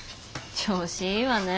調子いいわね。